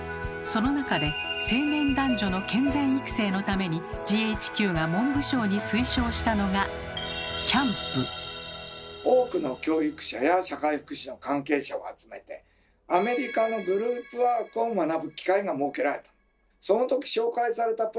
その中で青年男女の健全育成のためにＧＨＱが文部省に推奨したのが多くの教育者や社会福祉の関係者を集めてアメリカのグループワークを学ぶ機会が設けられた。